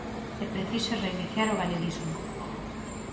É preciso reiniciar o galeguismo.